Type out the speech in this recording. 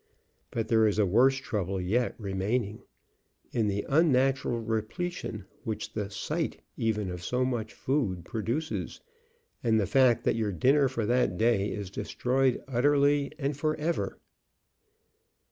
But there is a worse trouble yet remaining in the unnatural repletion which the sight even of so much food produces, and the fact that your dinner for that day is destroyed utterly and forever.